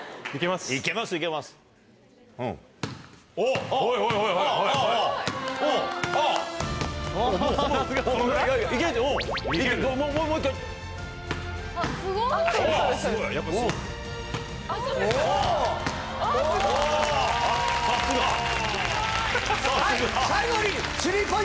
・すごい！